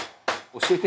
教えて！